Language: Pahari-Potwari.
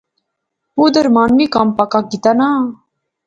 اودھر مانویں کم پکا کیتیا نا